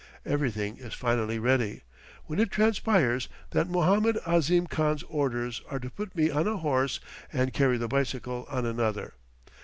Everything is finally ready; when it transpires that Mohammed Ahzim Khan's orders are to put me on a horse and carry the bicycle on another.